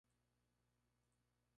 Hermano suyo fue Manuel Gual.